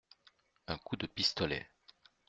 Un coup de pistolet.